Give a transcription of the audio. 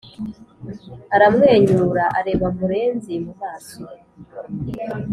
aramwenyura areba murenzi mumaso